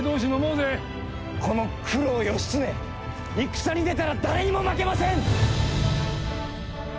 この九郎義経戦に出たら誰にも負けません！